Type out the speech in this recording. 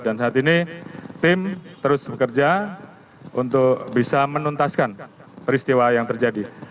dan saat ini tim terus bekerja untuk bisa menuntaskan peristiwa yang terjadi